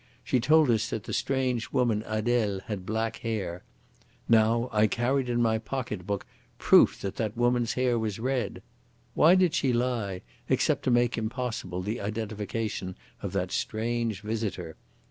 She told us that the strange woman Adele had black hair. Now I carried in my pocket book proof that that woman's hair was red. Why did she lie, except to make impossible the identification of that strange visitor?